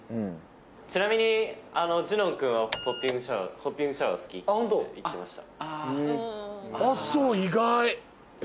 ちなみにジュノン君はポッピングシャワーが好きって言ってました。